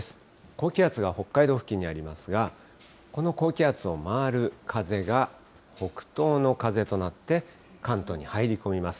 高気圧が北海道付近にありますが、この高気圧を回る風が北東の風となって、関東に入り込みます。